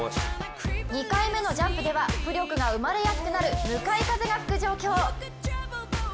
２回目のジャンプでは浮力が生まれやすくなる向かい風が吹く状況。